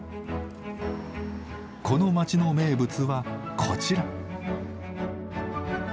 この町の名物はこちら。